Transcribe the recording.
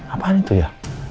apaan itu ya